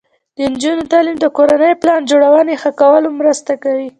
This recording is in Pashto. د نجونو تعلیم د کورنۍ پلان جوړونې ښه کولو مرسته ده.